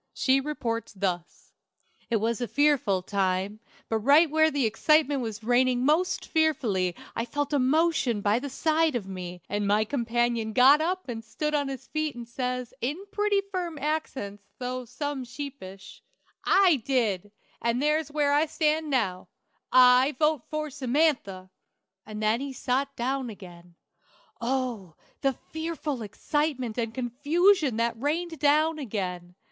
She reports thus: "It was a fearful time, but right where the excitement was raining most fearfully I felt a motion by the side of me, and my companion got up and stood on his feet and says, in pretty firm accents, though some sheepish: "'I did, and there's where I stand now; I vote for Samantha!' "And then he sot down again. Oh, the fearful excitement and confusion that rained down again!